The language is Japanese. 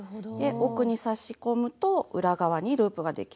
奥に刺し込むと裏側にループができる。